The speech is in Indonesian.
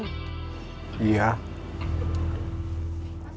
selain cuma jadi tukang narik iuran